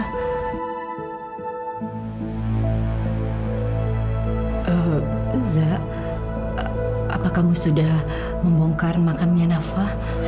riza apa kamu sudah membongkar makamnya nafa